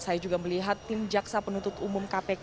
saya juga melihat tim jaksa penuntut umum kpk